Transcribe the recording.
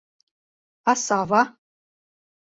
А Сава?..